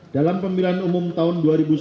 dalam pemilihan umum tahun dua ribu sembilan belas